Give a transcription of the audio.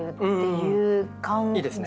いいですね。